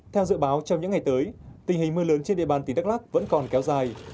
theo dự báo trong những ngày tới tình hình mưa lớn trên địa bàn tỉnh đắk lắc vẫn còn kéo dài